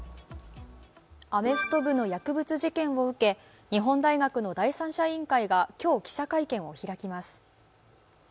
アメフト部の薬物事件を受け日本大学の第三者委員会は今日、記者会見を開きます。